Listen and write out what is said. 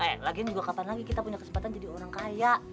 lagi juga kapan lagi kita punya kesempatan jadi orang kaya